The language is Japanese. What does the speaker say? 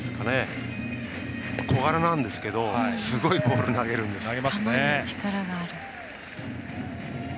小柄なんですけどすごいボール投げるんですよ。